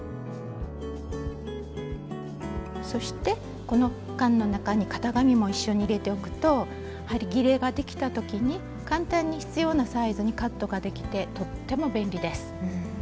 そしてこの缶の中に型紙も一緒に入れておくとはぎれができた時に簡単に必要なサイズにカットができてとっても便利です。